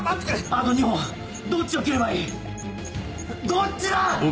あと２本どっちを切ればいい⁉どっちだ‼